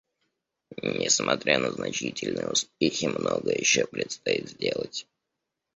Несмотря на значительные успехи, многое еще предстоит сделать.